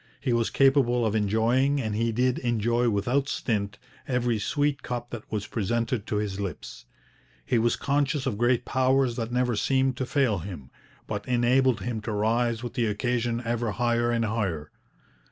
He was capable of enjoying, and he did enjoy without stint, every sweet cup that was presented to his lips. He was conscious of great powers that never seemed to fail him, but enabled him to rise with the occasion ever higher and higher.